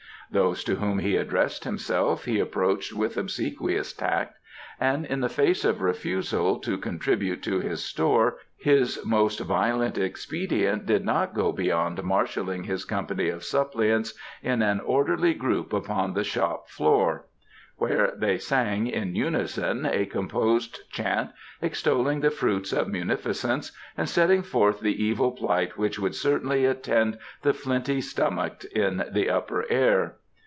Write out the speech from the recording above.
Those to whom he addressed himself he approached with obsequious tact, and in the face of refusal to contribute to his store his most violent expedient did not go beyond marshalling his company of suppliants in an orderly group upon the shop floor, where they sang in unison a composed chant extolling the fruits of munificence and setting forth the evil plight which would certainly attend the flinty stomached in the Upper Air.